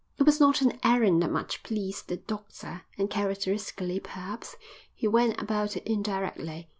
It was not an errand that much pleased the doctor, and, characteristically perhaps, he went about it indirectly.